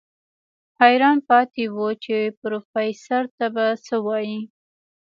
حيران پاتې و چې پروفيسر ته به څه وايي.